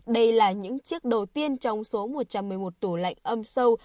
đây là những chiếc đầu tiên trong số một trăm một mươi một tủ lạnh âm sâu